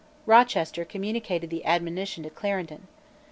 Rochester communicated the admonition to Clarendon.